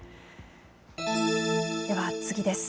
では次です。